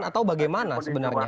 atau bagaimana sebenarnya